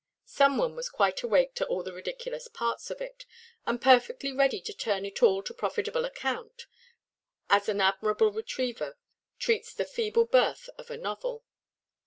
Some one was quite awake to all the ridiculous parts of it, and perfectly ready to turn it all to profitable account, as an admirable reviewer treats the feeble birth of a novel.